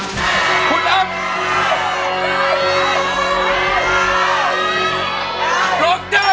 ก็ร้องได้ให้ร้าน